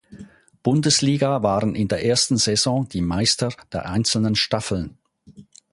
Bundesliga waren in der ersten Saison die Meister der einzelnen Staffeln.